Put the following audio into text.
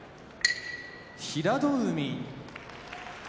平戸海